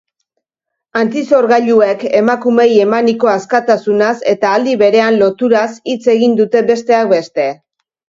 Antisorgailuek emakumeei emaniko askatasunaz eta aldi berean loturaz hitz egin dute besteak beste.